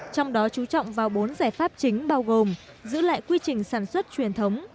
trong đó chú trọng vào bốn giải pháp chính bao gồm giữ lại quy trình sản xuất truyền thống